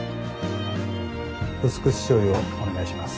薄口しょうゆをお願いします。